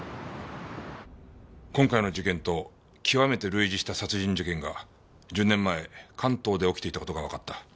今回の事件と極めて類似した殺人事件が１０年前関東で起きていた事がわかった。